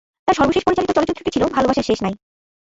তার সর্বশেষ পরিচালিত চলচ্চিত্রটি ছিল ভালোবাসার শেষ নাই।